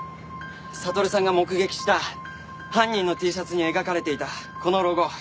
悟さんが目撃した犯人のＴシャツに描かれていたこのロゴ。